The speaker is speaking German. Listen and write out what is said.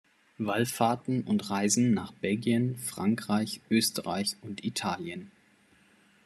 Wallfahrten und Reisen nach Belgien, Frankreich, Österreich und Italien.